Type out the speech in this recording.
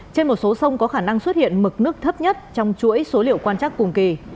trên một số sông có khả năng xuất hiện mực nước thấp nhất trong chuỗi số liệu quan trắc cùng kỳ